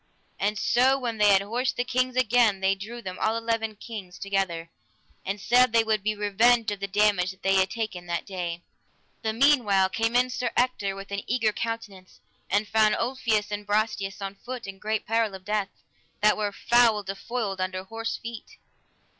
And so when they had horsed the kings again they drew them, all eleven kings, together, and said they would be revenged of the damage that they had taken that day. The meanwhile came in Sir Ector with an eager countenance, and found Ulfius and Brastias on foot, in great peril of death, that were foul defoiled under horse feet.